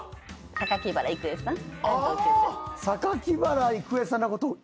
榊原郁恵さん。